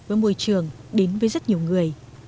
với môi trường đến với rất nhiều người